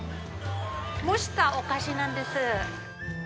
蒸したお菓子なんです。